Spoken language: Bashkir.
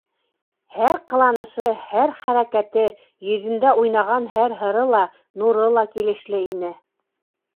Һәр ҡыланышы, һәр хәрәкәте, йөҙөндә уйнаған һәр һыры ла, нуры ла килешле ине.